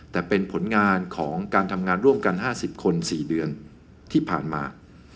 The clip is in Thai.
แต่เป็นผลงานของการทำงานร่วมกัน๕๐คน๔เดือนที่ผ่านมา